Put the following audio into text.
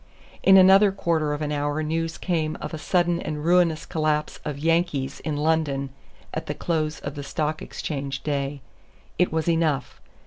In another quarter of an hour news came of a sudden and ruinous collapse of "Yankees" in London at the close of the Stock Exchange day. It was enough.